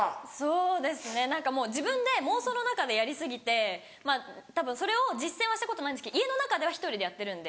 そうですね何かもう自分で妄想の中でやり過ぎてたぶんそれを実践はしたことないんですけど家の中では１人でやってるんで。